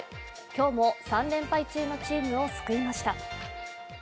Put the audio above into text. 今日も、３連敗中のチームを救いました。